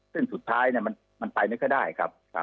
ซึ่งสุดท้ายเนี่ยมันไปไม่ก็ได้ครับ